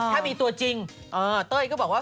ถ้ามีตัวจริงเต้ยก็บอกว่า